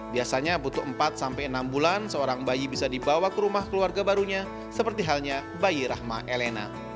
biasanya butuh empat sampai enam bulan seorang bayi bisa dibawa ke rumah keluarga barunya seperti halnya bayi rahma elena